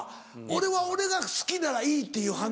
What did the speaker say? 俺は俺が好きならいいっていう判断やわ。